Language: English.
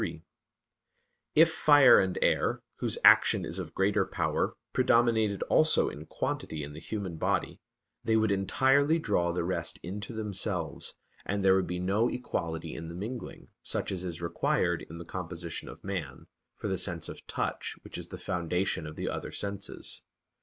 3: If fire and air, whose action is of greater power, predominated also in quantity in the human body, they would entirely draw the rest into themselves, and there would be no equality in the mingling, such as is required in the composition of man, for the sense of touch, which is the foundation of the other senses.